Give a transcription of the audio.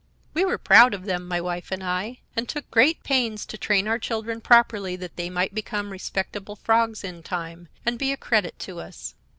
We were proud of them, my wife and I, and took great pains to train our children properly, that they might become respectable frogs, in time, and be a credit to us.